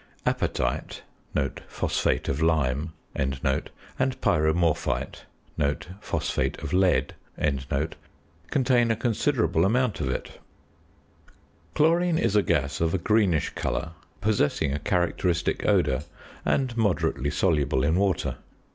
Apatite (phosphate of lime) and pyromorphite (phosphate of lead) contain a considerable amount of it. Chlorine is a gas of a greenish colour, possessing a characteristic odour, and moderately soluble in water.